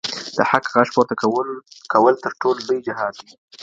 د حق غږ پورته کول تر ټولو لوی جهاد دی.